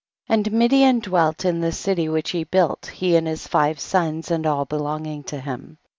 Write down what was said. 10. And Midian dv^^elt in the city which he built, he and his five sons and all belonging to him.